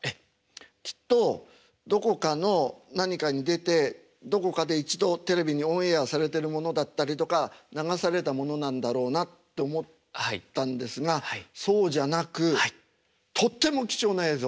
きっとどこかの何かに出てどこかで一度テレビにオンエアされてるものだったりとか流されたものなんだろうなって思ったんですがそうじゃなくとっても貴重な映像。